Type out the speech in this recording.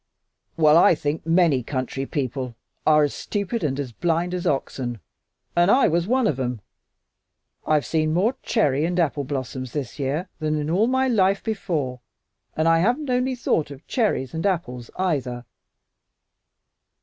"Well, I think many country people are as stupid and blind as oxen, and I was one of 'em. I've seen more cherry and apple blossoms this year than in all my life before, and I haven't thought only of cherries and apples either."